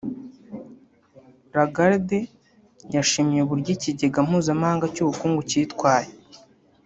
Lagarde yashimye uburyo ikigega mpuzamahanga cy’ubukungu kitwaye